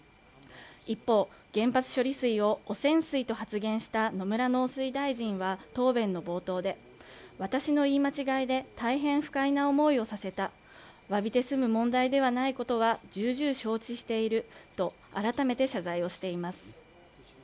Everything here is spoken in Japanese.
一方原発処理水を汚染水と発言した野村農水大臣は答弁の冒頭で私の言い間違いで大変不快な思いをさせた詫びて済む問題ではないことは重々承知していると改めて謝罪をしています